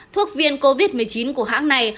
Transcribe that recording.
thuốc viên covid một mươi chín của hãng này